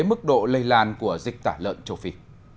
mức độ lây lan của dịch tả lợn châu phi